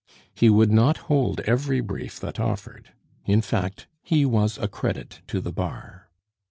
He would not hold every brief that offered; in fact, he was a credit to the bar.